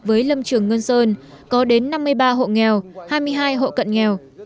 với lâm trường ngân sơn có đến năm mươi ba hộ nghèo hai mươi hai hộ cận nghèo